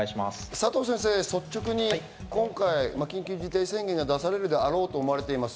佐藤先生、率直に今回緊急事態宣言が出されるであろうと思われています。